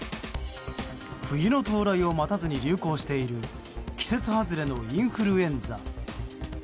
冬の到来を待たずに流行している季節外れのインフルエンザ。